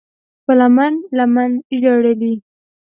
په لمن، لمن ژړلي